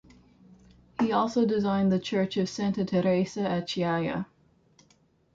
He also designed the church of Santa Teresa a Chiaia.